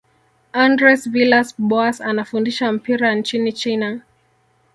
andres villas boas anafundisha mpira nchini china